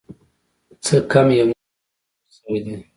څه کم یو نیم قرن تېر شوی دی.